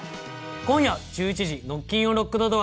今夜１１時『ノッキンオン・ロックドドア』。